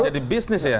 jadi business ya